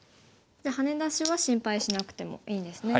じゃあハネ出しは心配しなくてもいいんですね。